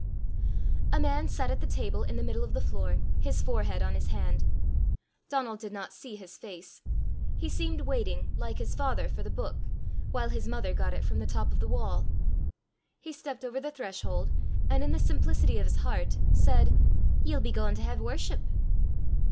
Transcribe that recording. A man sat at the table in the middle of the floor, his forehead on his hand. Donal did not see his face. He seemed waiting, like his father for the Book, while his mother got it from the top of the wall. He stepped over the threshold, and in the simplicity of his heart, said: "Ye'll be gaein' to hae worship!"